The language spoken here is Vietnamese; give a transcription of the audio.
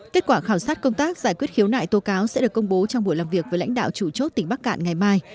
kết quả khảo sát công tác giải quyết khiếu nại tố cáo sẽ được công bố trong buổi làm việc với lãnh đạo chủ chốt tỉnh bắc cạn ngày mai